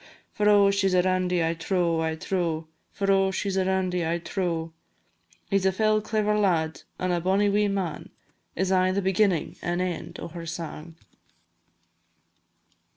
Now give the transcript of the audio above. For oh! she 's a randy, I trow, I trow, For oh! she 's a randy, I trow, I trow; "He 's a fell clever lad, an' a bonny wee man," Is aye the beginnin' an' end o' her sang.